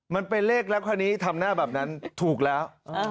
มันเป็นเลขแล้วคราวนี้ทำหน้าแบบนั้นถูกแล้ว